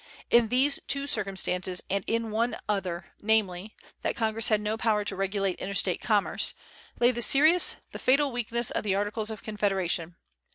In these two circumstances and in one other, namely: that Congress had no power to regulate interstate commerce, lay the serious, the fatal weakness of the Articles of Confederation.